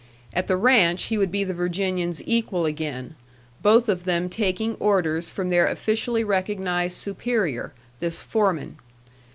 At the ranch he would be the Virginian's equal again, both of them taking orders from their officially recognized superior, this foreman.